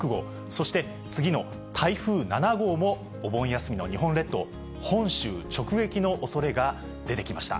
そして次の台風７号も、お盆休みの日本列島、本州直撃のおそれが出てきました。